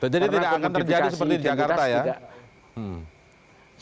jadi tidak akan terjadi seperti di jakarta ya